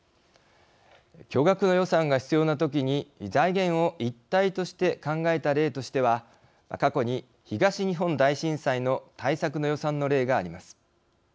巨額の予算が必要な時に財源を一体として考えた例としては過去に東日本大震災の対策の予算の例があります。